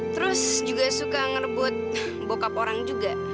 terus juga suka ngebut bokap orang juga